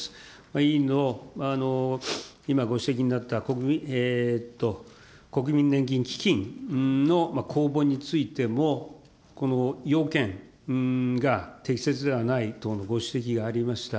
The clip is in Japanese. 委員の今、ご指摘になった、国民年金基金の公募についてもこの要件が適切ではない等のご指摘がありました。